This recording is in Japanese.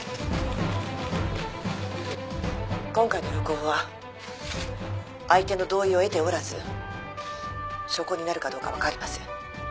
今回の録音は相手の同意を得ておらず証拠になるかどうか分かりません。